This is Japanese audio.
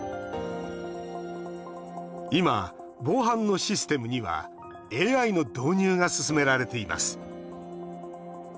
今、防犯のシステムにはＡＩの導入が進められています。